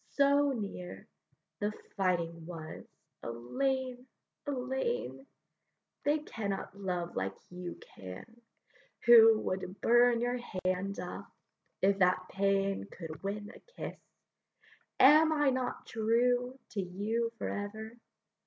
so near The fighting was: Ellayne! Ellayne! They cannot love like you can, who Would burn your hands off, if that pain Could win a kiss; am I not true To you for ever?